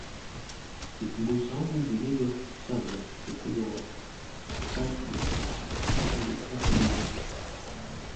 Vitunguu swaumu vilivyo sagwa Ukubwa wa kati mbili